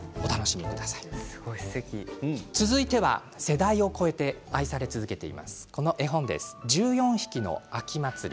続いては世代を超えて愛され続けている絵本です「１４ひきのあきまつり」。